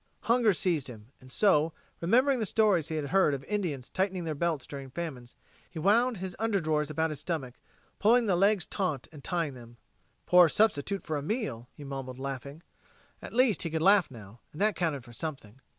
Hunger seized him, and so, remembering the stories he had heard of Indians tightening their belts during famines, he wound his underdrawers about his stomach, pulling the legs taut, then tying them. "Poor substitute for a meal," he mumbled, laughing. At least, he could laugh now, and that counted for something.